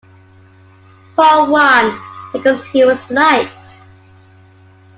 Paul won, because he was light.